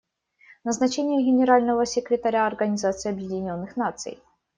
Назначение Генерального секретаря Организации Объединенных Наций.